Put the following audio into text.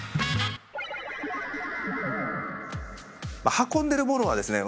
運んでるものはですね